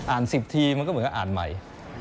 อ่าน๑๐ทีก็เหมือนกับอ่านใหม่